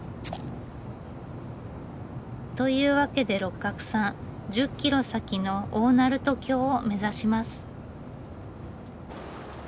というわけで六角さん１０キロ先の大鳴門橋を目指します。